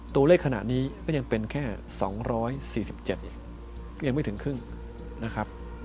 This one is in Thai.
ตัวเลขขณะนี้ก็ยังเป็นแค่๒๔๗ก็ยังไม่ถึงครึ่งนะครับ